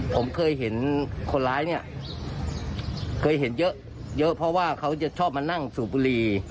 ผมเคยเห็นคนร้ายเนี่ยเคยเห็นเยอะเยอะเพราะว่าเขาจะชอบมานั่งสูบบุรี